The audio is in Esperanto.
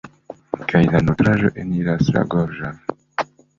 Kaj la nutraĵo eniras la gorĝon.